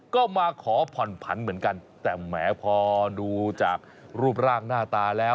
ก็มาขอผ่อนผันเหมือนกันแต่แหมพอดูจากรูปร่างหน้าตาแล้ว